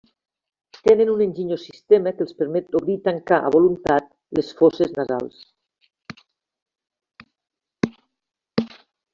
Tenen un enginyós sistema que els permet obrir i tancar, a voluntat, les fosses nasals.